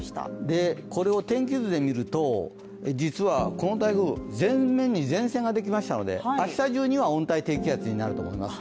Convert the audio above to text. これを天気図で見ると、実はこの台風、前面に前線ができましたので明日中には温帯低気圧になると思います。